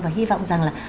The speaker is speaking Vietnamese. và hy vọng rằng là